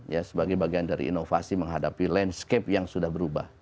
ya sebagai bagian dari inovasi menghadapi landscape yang sudah berubah